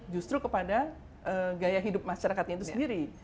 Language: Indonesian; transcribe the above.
justru kepada gaya hidup masyarakatnya itu sendiri